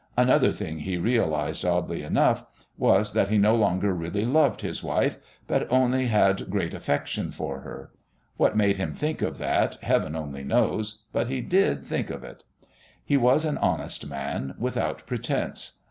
Another thing he realised, oddly enough, was that he no longer really loved his wife, but had only great affection for her. What made him think of that, Heaven only knows, but he did think of it. He was an honest man without pretence.